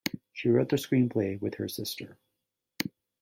She wrote the screenplay with her sister.